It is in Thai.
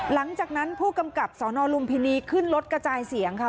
หลังจากนั้นผู้กำกับสนลุมพินีขึ้นรถกระจายเสียงค่ะ